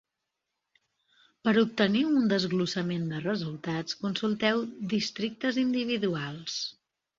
Per obtenir un desglossament de resultats, consulteu districtes individuals.